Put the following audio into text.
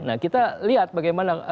nah kita lihat bagaimana